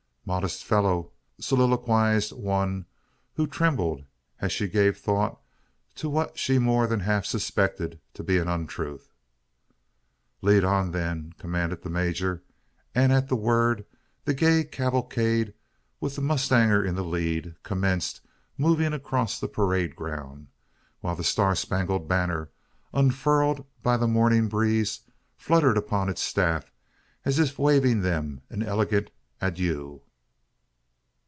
"Modest fellow!" soliloquised one, who trembled, as she gave thought to what she more than half suspected to be an untruth. "Lead on, then!" commanded the major; and, at the word, the gay cavalcade, with the mustanger in the lead, commenced moving across the parade ground while the star spangled banner, unfurled by the morning breeze, fluttered upon its staff as if waving them an elegant adieu!